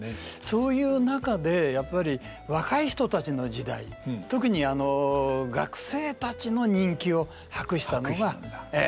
そういう中でやっぱり若い人たちの時代特に学生たちの人気を博したのがええ